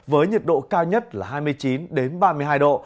với nhiệt độ cao nhất là hai mươi chín ba mươi hai độ